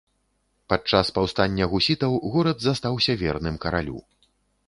Падчас паўстання гусітаў горад застаўся верным каралю.